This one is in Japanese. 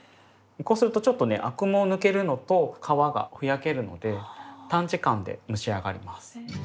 こうするとちょっとねアクも抜けるのと皮がふやけるので短時間で蒸し上がります。